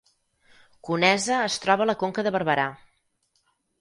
Conesa es troba a la Conca de Barberà